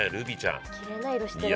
きれいな色してるもんな。